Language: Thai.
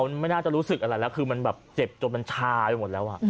มันไม่น่าจะรู้สึกอะไรแล้วคือมันแบบเจ็บจนมันชาไปหมดแล้วอ่ะ